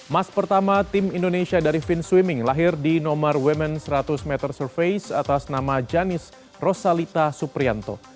mas pertama tim indonesia dari fin swimming lahir di nomor women seratus meter surface atas nama janis rosalita suprianto